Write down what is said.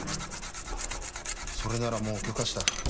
それならもう許可した。